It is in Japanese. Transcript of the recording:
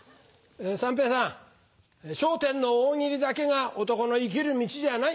三平さん『笑点』の「大喜利」だけが男の生きる道じゃない。